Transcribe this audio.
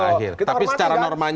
anda menilai tadi kalau soal status